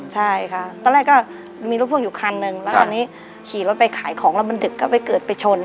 ใช่ค่ะตอนแรกก็มีรถพ่วงอยู่คันนึงแล้วตอนนี้ขี่รถไปขายของแล้วมันดึกก็ไปเกิดไปชน